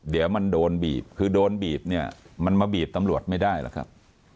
เดี๋ยวมันโดนบีบคือโดนบีบเนี่ยมันมาบีบตำรวจไม่ได้หรอกครับ